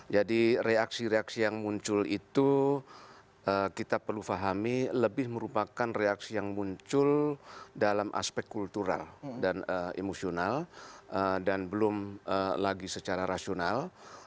jadi reaksi reaksi yang muncul itu kita perlu pahami lebih merupakan reaksi yang muncul dalam aspek kultural dan emosional dan belum lagi secara rasional